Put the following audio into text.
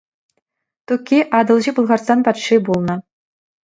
Тукки Атӑлҫи Пӑлхарстан патши пулнӑ.